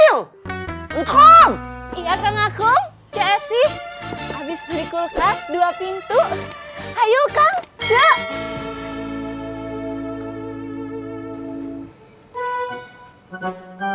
hai ucom iya kak ngaku csi habis beli kulkas dua pintu hai yukang ya